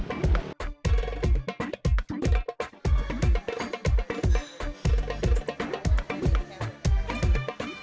makanan khas timur tengah